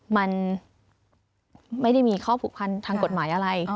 มันไม่ได้มีข้อผูกพันทางกฎหมายอะไร